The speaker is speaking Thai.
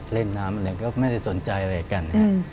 เล่นน้ำอะไรก็ไม่ได้สนใจอะไรกัน